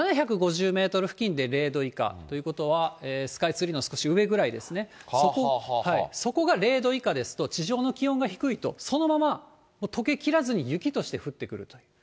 ７５０メートル付近で０度以下ということは、スカイツリーの少し上ぐらいですね、そこが０度以下ですと、地上の気温が低いと、そのままとけきらずに雪として降ってくると。